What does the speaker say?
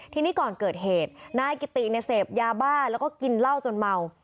ทีนี้ก่อนเกิดเหตุนายกิติเนี่ยเสพยาบ้าแล้วก็กินเหล้าจนเมา